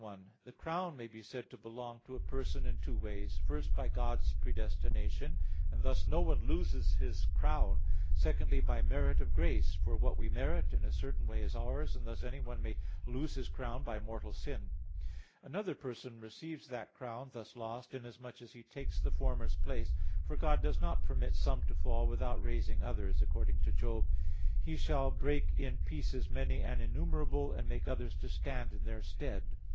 1: The crown may be said to belong to a person in two ways; first, by God's predestination, and thus no one loses his crown: secondly, by the merit of grace; for what we merit, in a certain way is ours; and thus anyone may lose his crown by mortal sin. Another person receives that crown thus lost, inasmuch as he takes the former's place. For God does not permit some to fall, without raising others; according to Job 34:24: "He shall break in pieces many and innumerable, and make others to stand in their stead."